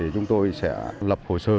chúng tôi sẽ lập hồ sơ